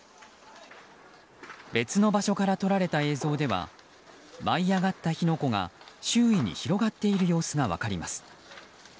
別の場所から撮られた映像では舞い上がった火の粉が周囲に広がっている様子が分かります。